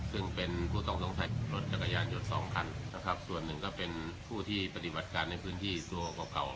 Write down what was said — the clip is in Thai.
ซึ่งเป็นผู้ต้องสงสัยรถจักรยานยนต์สองคันนะครับส่วนหนึ่งก็เป็นผู้ที่ปฏิบัติการในพื้นที่ตัวเก่า